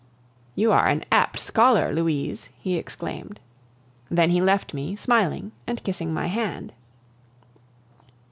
"You are an apt scholar, Louise!" he exclaimed. Then he left me, smiling and kissing my hand.